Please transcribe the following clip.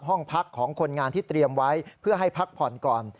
ห้องพักของคนงานที่เตรียมไว้เพื่อให้พักผ่อนก่อน